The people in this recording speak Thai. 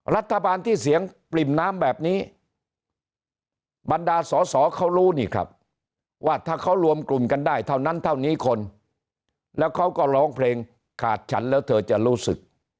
รัฐบาลที่เสียงปริ่มน้ำแบบนี้บรรดาสอสอเขารู้นี่ครับว่าถ้าเขารวมกลุ่มกันได้เท่านั้นเท่านี้คนแล้วเขาก็ร้องเพลงขาดฉันแล้วเธอจะรู้สึก